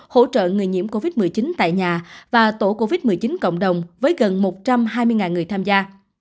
hỗ trợ người nhiễm covid một mươi chín tại nhà và tổ covid một mươi chín cộng đồng với gần một trăm hai mươi người tham gia